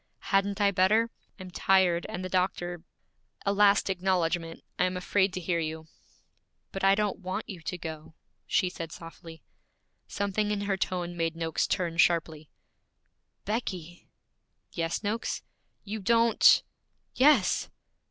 'Hadn't I better? I'm tired, and the doctor A last acknowledgment: I am afraid to hear you.' 'But I don't want you to go,' she said softly. Something in her tone made Noakes turn sharply. 'Becky!' 'Yes, Noakes?' 'You don't ' 'Yes!'